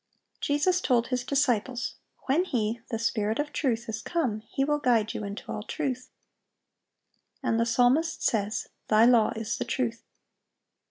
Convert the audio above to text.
Jesus told His disciples, "When He, the Spirit of truth, is come, He will guide you into all truth."(797) And the psalmist says, "Thy law is the truth."